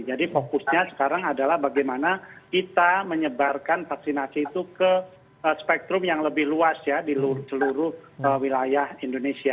jadi fokusnya sekarang adalah bagaimana kita menyebarkan vaksinasi itu ke spektrum yang lebih luas ya di seluruh wilayah indonesia